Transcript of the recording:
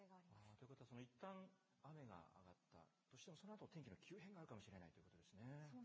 ということは、いったん雨が上がったとしても、そのあと天気の急変があるかもしれないということですね。